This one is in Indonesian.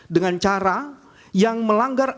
dengan cara yang melanggar